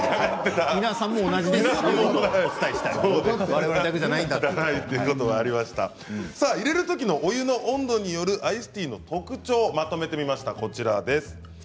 皆さんも同じですよとお伝えしたい入れるときのお湯の温度によるアイスティーの特徴をまとめてみました。